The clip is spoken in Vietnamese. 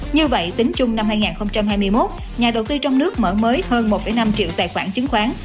như vậy tính chung năm hai nghìn hai mươi một nhà đầu tư trong nước mở mới hơn một năm triệu tài khoản chứng khoán